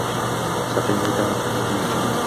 سقيا لدارك هذه من جنة